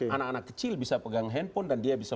anak anak kecil bisa pegang handphone dan dia bisa